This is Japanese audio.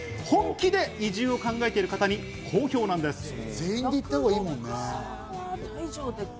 本気で移住を考えている人に好評なんです。